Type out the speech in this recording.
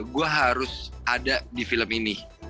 gue harus ada di film ini